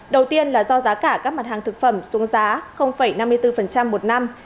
đầu tiên là do giá cả các mặt hàng thực phẩm xuống giá năm mươi bốn một năm